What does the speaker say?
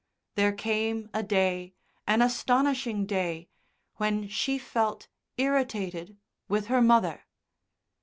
There came a day an astonishing day when she felt irritated with her mother.